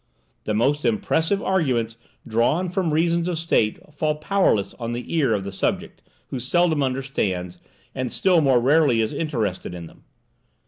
The most impressive arguments drawn from reasons of state fall powerless on the ear of the subject, who seldom understands, and still more rarely is interested in them.